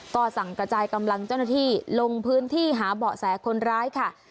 ก็สั่งกระจายกำลังเจ้าหน้าที่ลงพื้นที่หาเบาะแสคนร้ายค่ะ